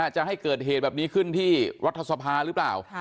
จะให้เกิดเหตุแบบนี้ขึ้นที่รัฐสภาหรือเปล่า